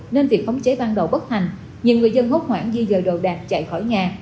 nên việc khống cháy ban đầu bất hành nhiều người dân hốt hoảng di dời đồ đạp chạy khỏi nhà